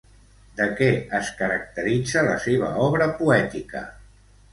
De què es caracteritza la seva obra poètica?